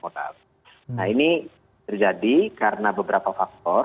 nah ini terjadi karena beberapa faktor